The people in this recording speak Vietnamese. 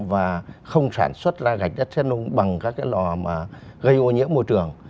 và không sản xuất ra gạch đất xét nung bằng các cái lò mà gây ô nhiễm môi trường